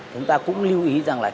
chúng ta cũng lưu ý rằng là